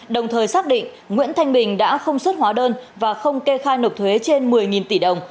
đồng thời xác định nguyễn thanh bình đã không xuất hóa đơn và không kê khai nộp thuế trên một mươi tỷ đồng